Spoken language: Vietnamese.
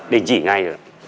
đình chỉ ngay